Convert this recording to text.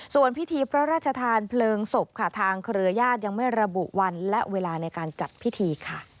ส่วนพิธีพระราชทานเพลิงศพค่ะทางเครือญาติยังไม่ระบุวันและเวลาในการจัดพิธีค่ะ